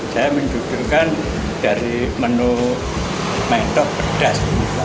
saya mendudukan dari menu mentok pedas